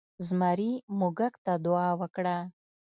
زمري موږک ته دعا وکړه.